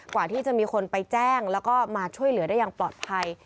กว่าที่จะมีคนไปแจ้งแล้วก็มาช่วยเหลือได้อย่างปลอดภัย